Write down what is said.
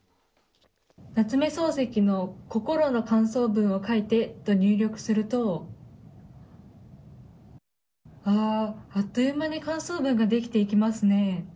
夏目漱石のこころの感想文を書いてと入力するとあっという間に感想文ができていきますね。